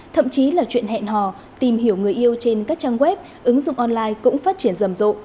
thậm chí là chuyện hẹn hò tìm hiểu người yêu trên các trang web ứng dụng online cũng phát triển rầm rộ